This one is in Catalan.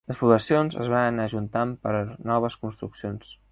Les poblacions es van anar ajuntant per noves construccions.